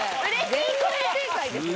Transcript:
全問正解ですね。